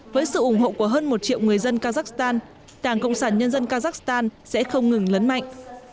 với sự ủng hộ của hơn một triệu người dân kazakhstan đảng cộng sản nhân dân kazakhstan sẽ không ngừng lớn mạnh